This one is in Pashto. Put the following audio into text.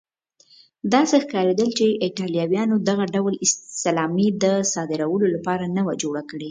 داسې ښکارېدل چې ایټالویانو دغه ډول سلامي د صادرولو لپاره نه وه جوړه کړې.